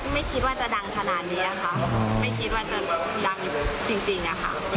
ไม่คิดว่าจะดังจริงนะคะ